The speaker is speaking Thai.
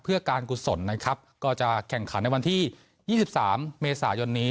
เพื่อการกุศลนะครับก็จะแข่งขันในวันที่๒๓เมษายนนี้